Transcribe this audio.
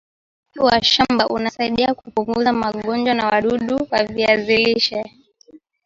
usafi wa shamba unasaidia kupunguza magonjwa na wadudu wa viazi lishe